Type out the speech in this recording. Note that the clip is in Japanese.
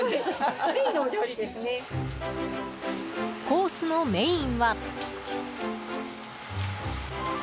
コースのメインは。